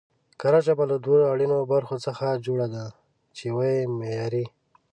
کره ژبه له دوو اړينو برخو څخه جوړه ده، چې يوه يې معياري